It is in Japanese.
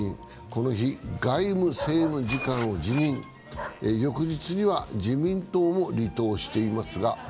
この日、外務政務官を辞任、翌日には自民党も離党しています。